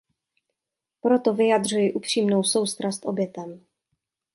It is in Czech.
Proto vyjadřuji upřímnou soustrast obětem.